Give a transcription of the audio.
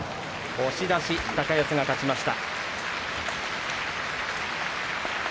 押し出し、高安が勝ちました。